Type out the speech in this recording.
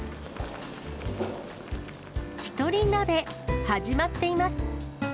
一人鍋始まっています。